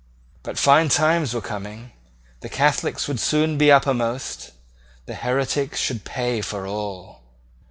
But fine times were coming. The Catholics would soon be uppermost. The heretics should pay for all.